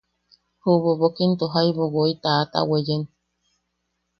Ju Bobok into jaibu woi taʼata weyen.